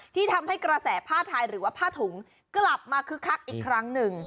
ที่ทำให้กระแสผ้าไทยหรือว่าผ้าถุงกลับมาคึกคักอีกครั้งหนึ่ง